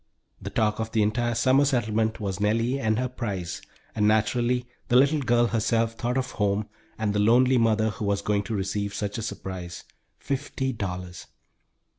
The talk of the entire summer settlement was Nellie and her prize, and naturally, the little girl herself thought of home and the lonely mother, who was going to receive such a surprise fifty dollars!